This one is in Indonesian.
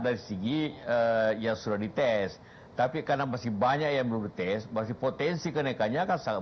di sini ya sudah dites tapi karena masih banyak yang bertes masih potensi kenaikannya akan sangat